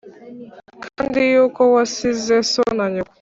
Kandi yuko wasize so na nyoko